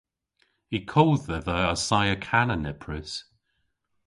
Y kodh dhedha assaya kana nepprys.